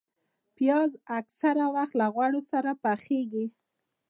پیاز اکثره وخت له غوړو سره پخېږي